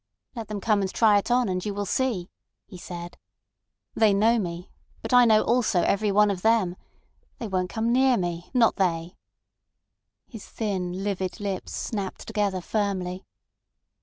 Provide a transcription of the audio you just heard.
"Let them come and try it on, and you will see," he said. "They know me, but I know also every one of them. They won't come near me—not they." His thin livid lips snapped together firmly.